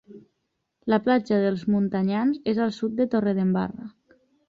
La platja dels Muntanyans és al sud de Torredembarra